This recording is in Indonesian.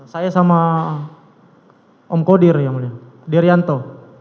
saya sama om kodir yang mulia deryanto